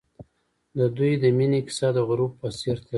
د دوی د مینې کیسه د غروب په څېر تلله.